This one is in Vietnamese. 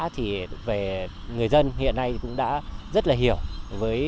thì về người dân hiện nay cũng đã rất là hiểu với cái nội dung